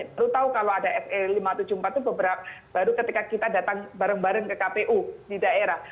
perlu tahu kalau ada se lima ratus tujuh puluh empat itu baru ketika kita datang bareng bareng ke kpu di daerah